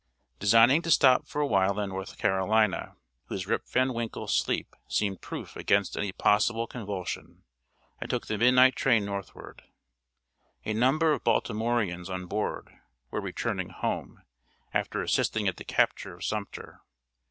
Designing to stop for a while in North Carolina, whose Rip Van Winkle sleep seemed proof against any possible convulsion, I took the midnight train northward. A number of Baltimoreans on board were returning home, after assisting at the capture of Sumter.